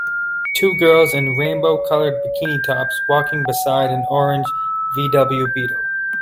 Two girls in rainbow colored bikini tops walking beside an orange VW Beetle.